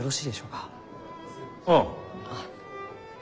ああ。